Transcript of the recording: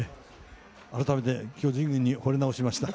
改めて巨人軍にほれ直しました。